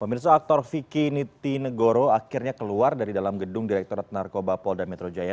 pemirsa aktor vicky nitinegoro akhirnya keluar dari dalam gedung direktorat narkoba polda metro jaya